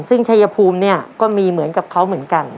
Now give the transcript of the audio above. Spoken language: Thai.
ซึ่งชัยภูมิเนี่ยก็มีเหมือนกับเขาเหมือนกัน